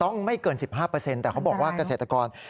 ไม่เกิน๑๕แต่เขาบอกว่าเกษตรกร